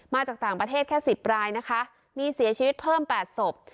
มาจากต่างประเทศแค่๑๐รายนะคะมีเสียชีวิตเพิ่ม๘ศพ